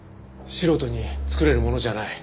素人に作れるものじゃない。